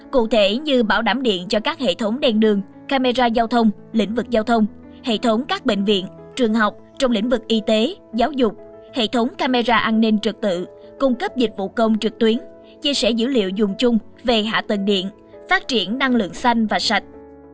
cụ thể như bảo đảm điện cho các hệ thống đen đường camera giao thông lĩnh vực giao thông hệ thống các bệnh viện trường học trong lĩnh vực y tế giáo dục hệ thống camera an ninh trực tự cung cấp dịch vụ công trực tuyến chia sẻ dữ liệu dùng chung về hạ tầng điện phát triển năng lượng xanh và sạch